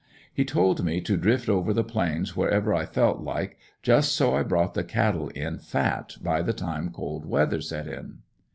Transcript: He told me to drift over the Plains wherever I felt like, just so I brought the cattle in fat by the time cold weather set in.